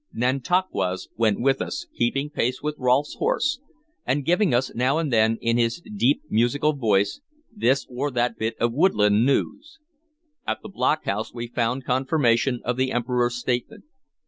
Nantauquas went with us, keeping pace with Rolfe's horse, and giving us now and then, in his deep musical voice, this or that bit of woodland news. At the block house we found confirmation of the Emperor's statement.